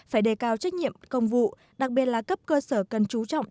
phải đề cao trách nhiệm công vụ đặc biệt là cấp cơ sở cần chú trọng